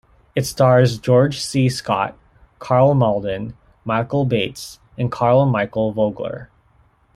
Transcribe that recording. It stars George C. Scott, Karl Malden, Michael Bates and Karl Michael Vogler.